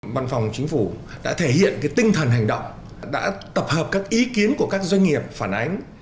văn phòng chính phủ đã thể hiện tinh thần hành động đã tập hợp các ý kiến của các doanh nghiệp phản ánh